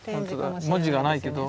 文字がないけど。